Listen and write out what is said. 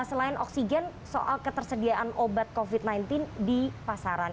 selain oksigen soal ketersediaan obat covid sembilan belas di pasaran